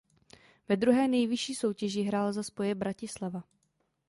Ve druhé nejvyšší soutěži hrál za Spoje Bratislava.